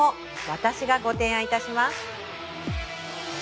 私がご提案いたします